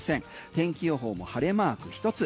天気予報も晴れマーク一つ。